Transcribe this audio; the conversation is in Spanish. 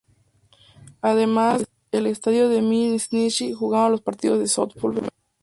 Además el Estadio de Mie Nishi se jugaron los partidos de sóftbol femenino.